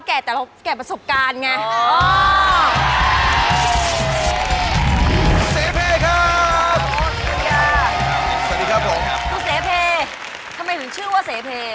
คุณเสพเพทำไมถึงชื่อว่าเสพเพ